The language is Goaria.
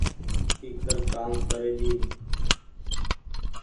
ڪيکر ڪآم ڪري جي